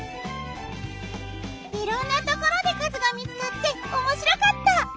いろんなところでかずがみつかっておもしろかった！